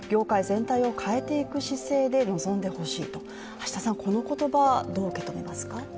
橋田さん、この言葉、どう受け止めますか？